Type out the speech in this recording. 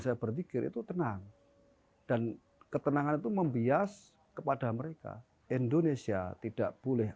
saya berpikir itu tenang dan ketenangan itu membias kepada mereka indonesia tidak boleh